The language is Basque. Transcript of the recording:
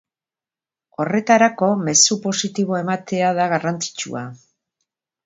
Horretarako, mezu positiboa ematea da garrantzitsua.